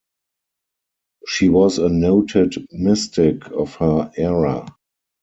She was a noted mystic of her era.